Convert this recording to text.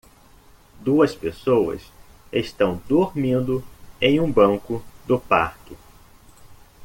Duas pessoas estão dormindo em um banco do parque